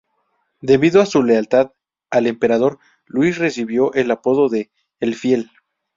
Debido a su lealtad al emperador, Luis recibió el apodo de "el fiel".